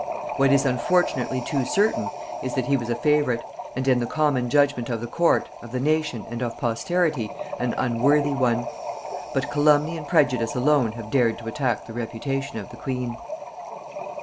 What is unfortunately too certain is, that he was a favorite, and in the common judgement of the court, of the nation, and of posterity, an unworthy one; but calumny and prejudice alone have dared to attack the reputation of the queen.